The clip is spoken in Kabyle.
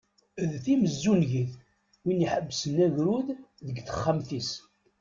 D timezzungit, win iḥebbsen agrud deg texxamt-is.